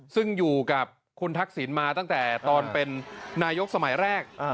ซึ่งอยู่กับคุณทักษิณมาตั้งแต่ตอนเป็นนายกสมัยแรก